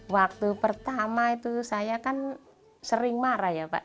waktu pertama itu saya kan sering marah ya pak